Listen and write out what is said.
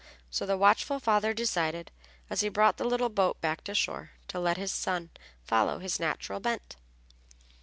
So the watchful father decided, as he brought the little boat back to shore, to let his son follow his natural bent.